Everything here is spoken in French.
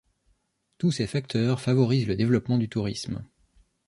Tous ces facteurs favorisent le développement du tourisme.